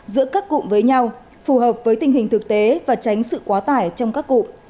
giữa các cụm với nhau phù hợp với tình hình thực tế và tránh sự quá tải trong các cụ